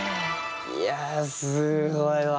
いやすごいわ。